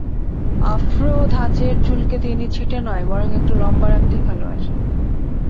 Afro ধাঁচের চুলকে তিনি ছেঁটে নয়; বরং একটু লম্বা রাখতেই ভালোবাসেন।